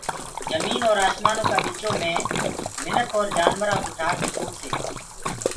جميٚنٚ اور آشمآنو ڪآ ٻِچو مي منک اور جآنورآنٚ ڪو ٺآڪي ڇوڙسي